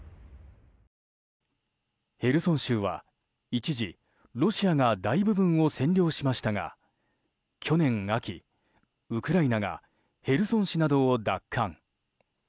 ヘルソン州は一時、ロシアが大部分を占領しましたが去年秋、ウクライナがヘルソン市などを奪還。